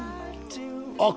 あっ